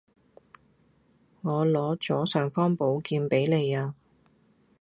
我攞咗尚方寶劍畀你呀